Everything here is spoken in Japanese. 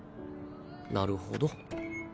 なるほど。